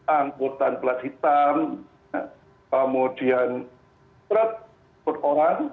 angkutan pelat hitam kemudian truk per orang